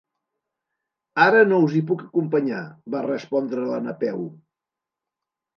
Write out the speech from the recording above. Ara no us hi puc acompanyar —va respondre la Napeu—.